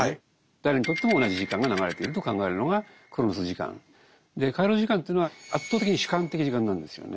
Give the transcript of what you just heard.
誰にとっても同じ時間が流れていると考えるのがクロノス時間。でカイロス時間というのは圧倒的に主観的時間なんですよね。